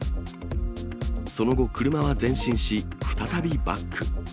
その後、車は前進し、再びバック。